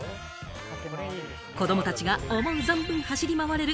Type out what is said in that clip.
子供たちが思う存分走り回れる